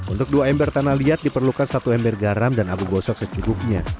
untuk dua ember tanah liat diperlukan satu ember garam dan abu gosok secukupnya